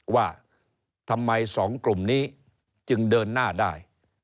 ว่าทำไมสองกลุ่มนี้จึงเดินหน้าได้